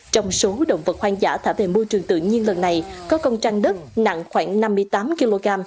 trong số động vật hoang dã thả về môi trường tự nhiên lần này có công tranh đất nặng khoảng năm mươi tám kg